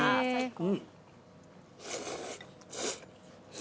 うん。